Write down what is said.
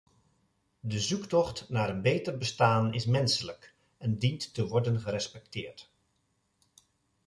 De zoektocht naar een beter bestaan is menselijk en dient te worden gerespecteerd.